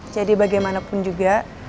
jadi bagaimanapun juga